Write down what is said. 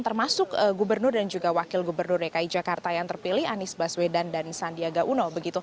termasuk gubernur dan juga wakil gubernur dki jakarta yang terpilih anies baswedan dan sandiaga uno